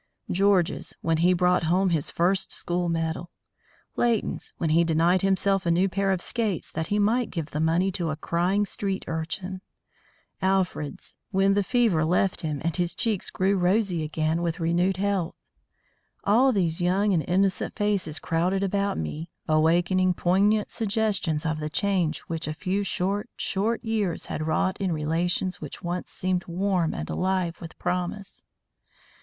George's, when he brought home his first school medal; Leighton's, when he denied himself a new pair of skates that he might give the money to a crying street urchin; Alfred's, when the fever left him and his cheeks grew rosy again with renewed health. All these young and innocent faces crowded about me, awakening poignant suggestions of the change which a few short, short years had wrought in relations which once seemed warm and alive with promise.